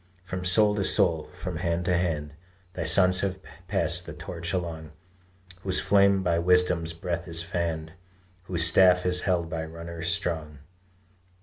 From soul to soul, from hand to hand Thy sons have passed that torch along, Whose flame by Wisdom's breath is fanned Whose staff is held by runners strong.